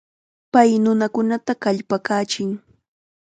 Pay nunakunata kallpakachin.